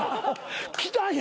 来たんや。